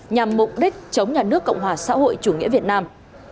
nhằm mục đích chống nhà nước cộng hòa xã hội chủ nghĩa việt nam